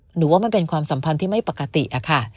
หนูว่ามันเป็นความสัมพันธ์ที่ไม่ปกติอะค่ะ